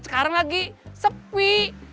sekarang lagi sepi